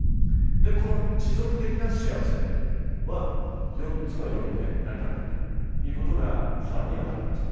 この持続的な幸せは４つの要因で成り立っているということが更に分かってきました。